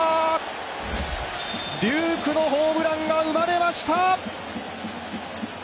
龍空のホームランが生まれました！